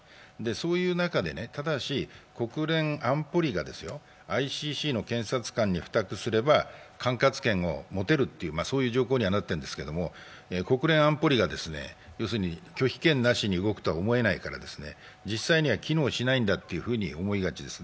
そういう中で、ただし国連安保理がＩＣＣの検察官に付託すれば、管轄権を持てるというふうになっているんですけど国連安保理が拒否権なしに動くとは思えないから、実際には機能しないんだと思いがちです。